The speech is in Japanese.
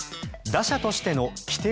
打者としての規定